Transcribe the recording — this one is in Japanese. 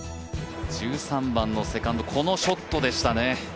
１３番のセカンドこのショットでしたね。